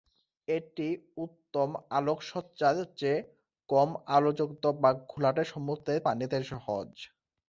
এটি উত্তম আলোকসজ্জার চেয়ে কম আলোযুক্ত বা ঘোলাটে সমুদ্রের পানিতে সহজ।